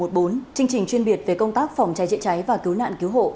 chương trình chuyên biệt về công tác phòng cháy chữa cháy và cứu nạn cứu hộ